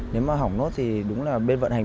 nếu mà hỏng nốt thì đúng là bên vận hành